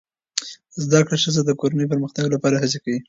زده کړه ښځه د کورنۍ پرمختګ لپاره هڅې کوي